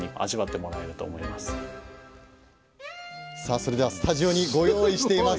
それではスタジオにご用意しています。